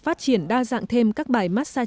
phát triển đa dạng thêm các bài massage